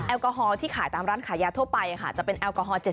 แอลกอฮอล์ที่ขายตามร้านขายยาทั่วไปค่ะจะเป็นแอลกอฮอล๗๐